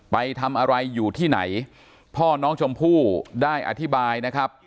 ไปทำอะไรอยู่ที่ไหนพ่อน้องชมพู่ได้อธิบายนะครับ